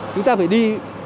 chúng ta phải đi